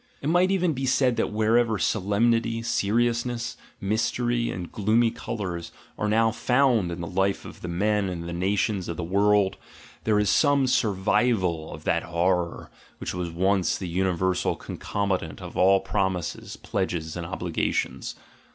It might even be said that wherever solemnity, seriousness, mystery, and gloomy colours are now found in the life of the men and of nations of the world, there is some survival of that horror which was once the universal concomitant of all promises, pledges, and obligations.